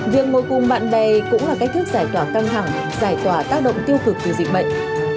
việc ngồi cùng bạn bè cũng là cách thức giải tỏa căng thẳng giải tỏa tác động tiêu cực từ dịch bệnh